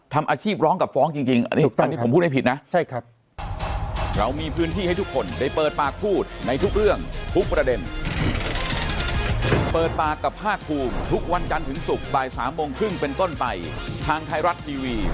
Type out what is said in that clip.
ทำอาชีพร้องกับฟ้องจริงอันนี้ผมพูดให้ผิดนะใช่ครับ